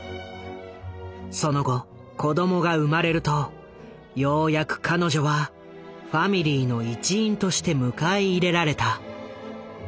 その後子どもが生まれるとようやく彼女はファミリーの一員として迎え入れられた。